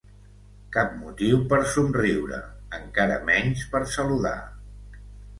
Cap motiu per somriure, encara menys per saludar.